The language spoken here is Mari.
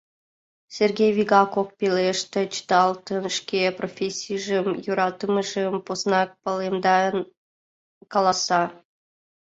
Сергей вигак ок пелеште, чыталтен, шке профессийжым йӧратымыжым поснак палемден каласа: